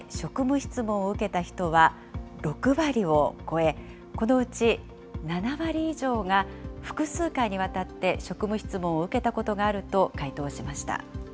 過去５年間で職務質問を受けた人は６割を超え、このうち７割以上が複数回にわたって職務質問を受けたことがあると回答しました。